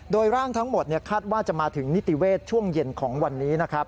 โดยร่างทั้งหมดคาดว่าจะมาถึงนิติเวชช่วงเย็นของวันนี้นะครับ